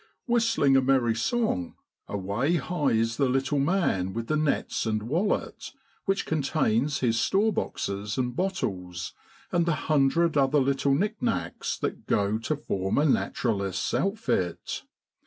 Whistling a merry song, away hies the little man with the nets and wallet which contains his store boxes and bottles, and the hundred other little knick knacks that go to H 58 JUKE IN BROADLAND. form a naturalist's outfit.